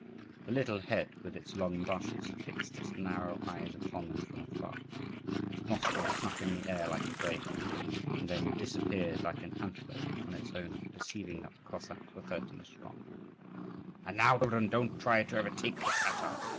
The little head with its long moustaches fixed its narrow eyes upon them from afar, its nostrils snuffing the air like a greyhound's, and then disappeared like an antelope on its owner perceiving that the Cossacks were thirteen strong. "And now, children, don't try to overtake the Tatar!